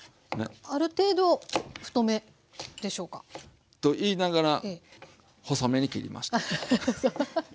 ある程度太めでしょうか？と言いながら細めに切りました。